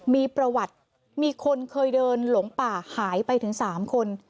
มีประวัติมีคนเคยเดินหลงป่าหายไปถึง๓คน